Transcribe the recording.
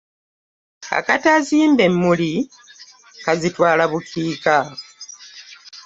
Akataazimbe emmuli kazitwala bukiika